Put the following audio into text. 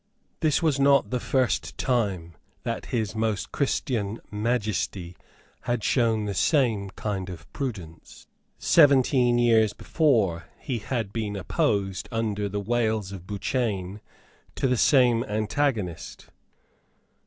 This was not the first time that His Most Christian Majesty had shown the same kind of prudence. Seventeen years before he had been opposed under the wails of Bouchain to the same antagonist.